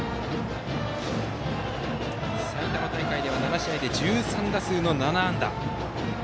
埼玉大会では７試合で１３打数７安打。